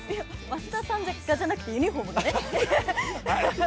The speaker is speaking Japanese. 増田さんがじゃなくて、ユニフォームがね。